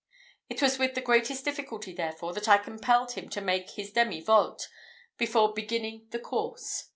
It was with the greatest difficulty, therefore, that I compelled him to make his demi volte, before beginning the course.